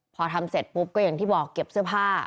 พอทำเสร็จปุ๊บก็อย่างที่บอกเก็บเสื้อผ้า